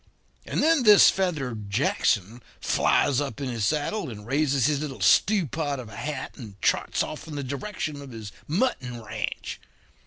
And then this feathered Jackson flies up in his saddle and raises his little stewpot of a hat, and trots off in the direction of his mutton ranch.